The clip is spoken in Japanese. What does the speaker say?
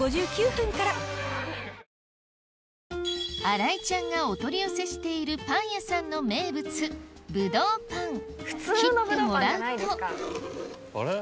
新井ちゃんがお取り寄せしているパン屋さんのあれ？